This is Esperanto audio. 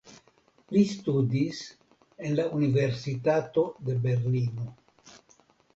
Li studis en la Universitato de Berlino.